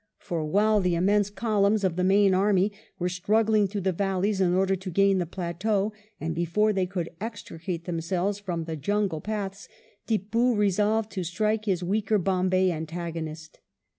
For while the immense columns of the main army were struggling through the valleys in order to gain the plateau, and before they could extricate themselves from the jungle paths, Tip poo resolved to strike his weaker Bombay antagonist.